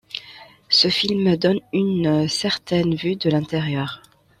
Ce film donne une certaine vue de l’intérieur.